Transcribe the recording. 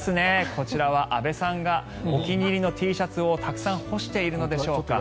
こちらは安部さんがお気に入りのＴシャツをたくさん干しているのでしょうか。